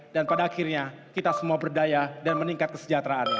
dan pada akhirnya kita semua berdaya dan meningkat kesejahteraannya